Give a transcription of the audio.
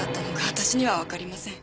私にはわかりません。